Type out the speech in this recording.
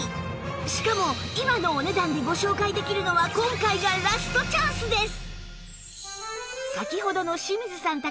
しかも今のお値段でご紹介できるのは今回がラストチャンスです！